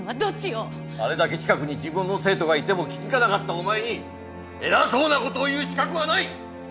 あれだけ近くに自分の生徒がいても気づかなかったお前に偉そうな事を言う資格はない！